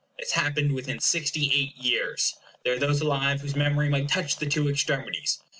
It has happened within sixty eight years. There are those alive whose memory might touch the two extremities.